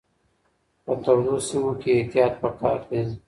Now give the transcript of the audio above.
په تودو سیمو کې احتیاط پکار دی.